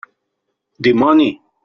Dimoni!